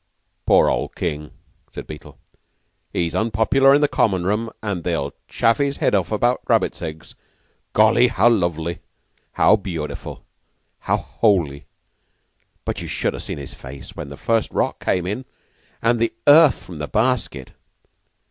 "Poor old King!" said Beetle. "He's unpopular in Common room, and they'll chaff his head off about Rabbits Eggs. Golly! How lovely! How beautiful! How holy! But you should have seen his face when the first rock came in! And the earth from the basket!"